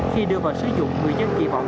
khi đưa vào sử dụng người dân kỳ vọng